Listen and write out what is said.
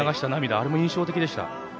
あれも印象的でした。